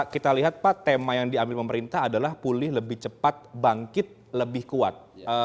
kita lihat pak tema yang diambil pemerintah adalah pulih lebih cepat bangkit lebih kuat